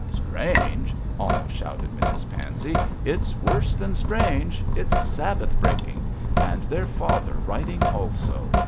'Strange!' almost shouted Mrs Pansey, 'it's worse than strange it's Sabbath breaking and their father riding also.